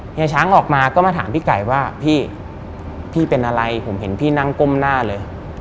เฮีช้างออกมาก็มาถามพี่ไก่ว่าพี่พี่เป็นอะไรผมเห็นพี่นั่งก้มหน้าเลย